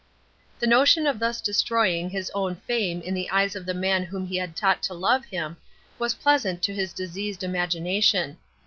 The notion of thus destroying his own fame in the eyes of the man whom he had taught to love him, was pleasant to his diseased imagination.